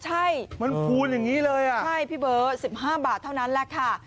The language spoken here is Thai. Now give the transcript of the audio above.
ใช่มันคูณอย่างนี้เลยอ่ะใช่พี่เบิร์ต๑๕บาทเท่านั้นแหละค่ะ